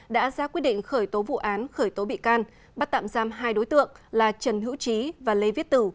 đã ra quyết định khởi tố vụ án khởi tố bị can bắt tạm giam hai đối tượng là trần hữu trí và lê viết tử